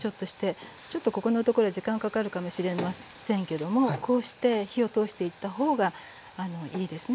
ちょっとここのところで時間はかかるかもしれませんけどもこうして火を通していった方がいいですね。